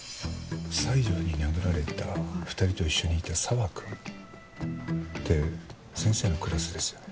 西条に殴られた２人と一緒にいた澤くんって先生のクラスですよね？